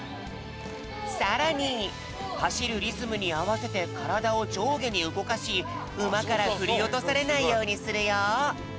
さらにはしるリズムにあわせてからだをじょうげにうごかしうまからふりおとされないようにするよ！